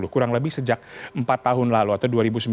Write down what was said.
kurang lebih sejak empat tahun lalu atau dua ribu sembilan belas